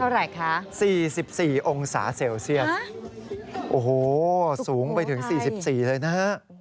เท่าไหร่ค่ะ๔๔องศาเซลเซียนโอ้โฮสูงไปถึง๔๔เลยนะ